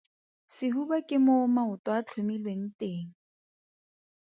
Sehuba ke moo maoto a tlhomilweng teng.